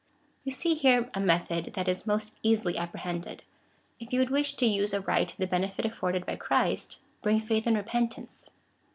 You see here a method that is most easily apprehended. If you would wish to use aright the benefit afforded by Christ, bring faith and repentance.